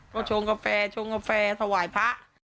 ก็ชงกาแฟชงกาแฟถวายพระ